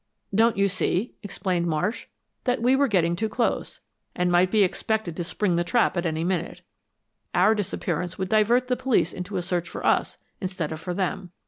"Don't you see," explained Marsh, "that we were getting too close, and might be expected to spring the trap at any minute. Our disappearance would divert the police into a search for us instead of for them.